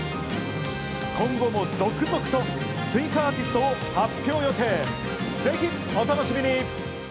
今後も続々と追加アーティストを発表予定、ぜひお楽しみに！